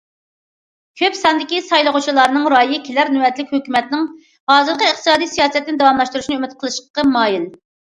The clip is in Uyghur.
كۆپ ساندىكى سايلىغۇچىلارنىڭ رايى كېلەر نۆۋەتلىك ھۆكۈمەتنىڭ ھازىرقى ئىقتىسادىي سىياسەتنى داۋاملاشتۇرۇشىنى ئۈمىد قىلىشقا مايىل.